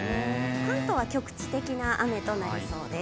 関東は局地的な雨となりそうです。